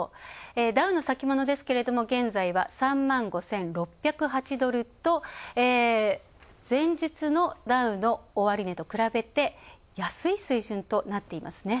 ダウの先物ですけれども現在は３万５６０８ドルと、前日のダウの終値と比べて安い水準となっていますね。